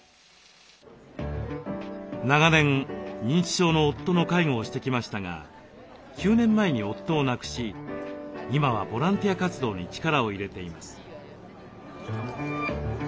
長年認知症の夫の介護をしてきましたが９年前に夫を亡くし今はボランティア活動に力を入れています。